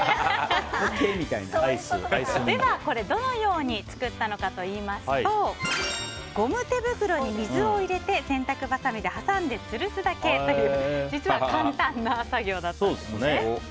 では、どのように作ったのかといいますとゴム手袋に水を入れて洗濯ばさみで挟んでつるすだけという実は簡単な作業だったんですね。